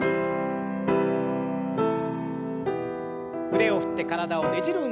腕を振って体をねじる運動です。